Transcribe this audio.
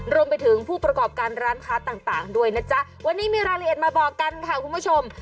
รวมไปถึงผู้ประกอบการร้านค้าต่างด้วยนะจ๊ะวันนี้มีรายละเอียดมาบอกกันค่ะคุณผู้ชม